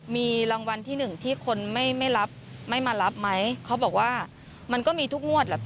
มีรางวัลที่๑ที่คนไม่รับไม่มารับไหมเขาบอกว่ามันก็มีทุกงวด